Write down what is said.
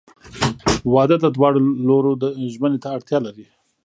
• واده د دواړو لورو ژمنې ته اړتیا لري.